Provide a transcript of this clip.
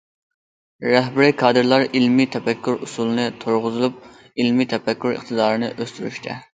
رەھبىرىي كادىرلار ئىلمىي تەپەككۇر ئۇسۇلىنى تۇرغۇزۇپ، ئىلمىي تەپەككۇر ئىقتىدارىنى ئۆستۈرۈشتە.